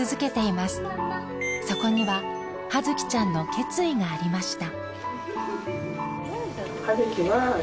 そこには葉月ちゃんの決意がありました。